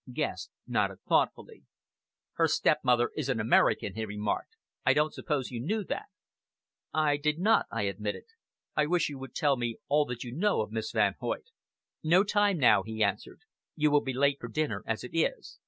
Guest nodded thoughtfully. "Her stepmother is an American," he remarked. "I don't suppose you knew that?" "I did not," I admitted. "I wish you would tell me all that you know of Miss Van Hoyt." "No time now," he answered. "You will be late for dinner as it is.